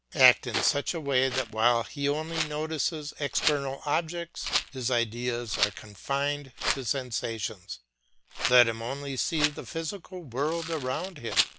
Act in such a way that while he only notices external objects his ideas are confined to sensations; let him only see the physical world around him.